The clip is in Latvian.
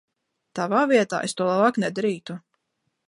Tavā vietā es to labāk nedarītu...